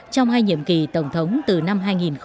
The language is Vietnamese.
trong hai nhiệm kỳ tổng thống từ năm hai nghìn một mươi